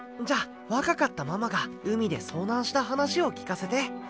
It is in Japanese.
じゃあ若かったママが海で遭難した話を聞かせて。